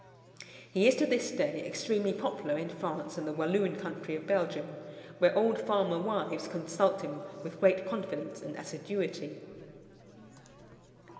He is to this day extremely popular in France and the Walloon country of Belgium, where old farmer wives consult him with great confidence and assiduity.